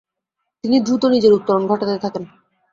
তিনি দ্রুত নিজের উত্তরণ ঘটাতে থাকেন।